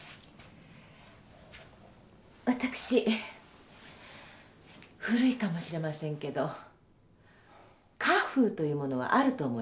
私古いかもしれませんけど家風というものはあると思いますの。